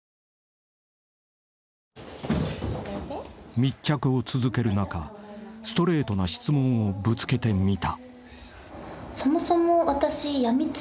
［密着を続ける中ストレートな質問をぶつけてみた］